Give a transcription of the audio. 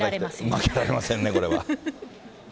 負けられませんね、これは。